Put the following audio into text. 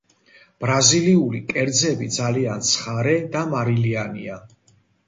ბრაზილიური კერძები ძალიან ცხარე და მარილიანია.